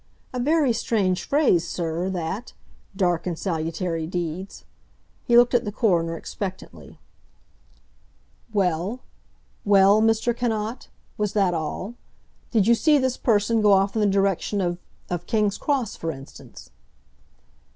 A very strange phrase, sir, that—'dark and salutary deeds.'" He looked at the coroner expectantly— "Well? Well, Mr. Cannot? Was that all? Did you see this person go off in the direction of—of King's Cross, for instance?"